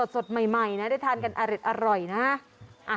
สดใหม่นะได้ทานกันอร่อยนะ